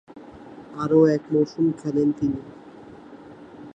আরও এক মৌসুম খেলেন তিনি।